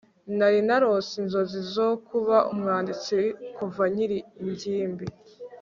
nari narose inzozi zo kuba umwanditsi kuva nkiri ingimbi